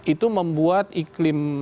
itu membuat iklim